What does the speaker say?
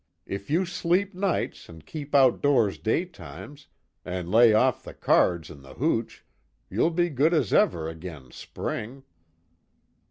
If you sleep nights, an' keep out doors daytimes, an' lay off the cards an' the hooch, you'll be good as ever agin spring."